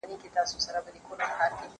زه بايد شګه پاک کړم!.